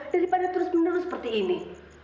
daripada terus menerus seperti ini